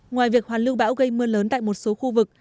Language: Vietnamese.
ngoài việc hoàn lưu bão gây mưa lớn tại một số khu vực